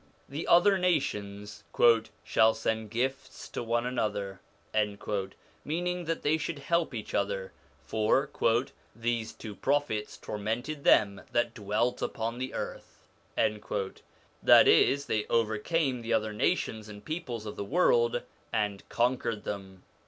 The other nations ' shall send gifts to one another,' meaning that they should help each other, for ' these two prophets tormented them that dwelt upon the earth ': that is, they overcame the other nations and peoples of the world and conquered them.